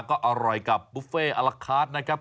ก็อร่อยกับบุฟเฟ่อลาคาร์ดนะครับ